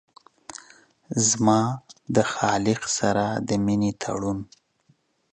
زما له خالق سره د مينې تړون